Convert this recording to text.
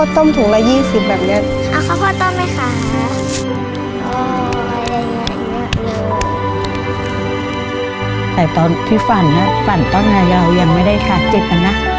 แต่ตอนที่ฝรั่งฝรั่งต้นในเรายังไม่ได้ขาดเจ็บละนะ